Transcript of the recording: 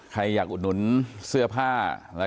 ใครอยากอุดหนุนเสื้อผ้า